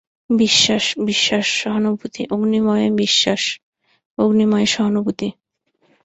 বিশ্বাস, বিশ্বাস, সহানুভূতি, অগ্নিময় বিশ্বাস, অগ্নিময় সহানুভূতি।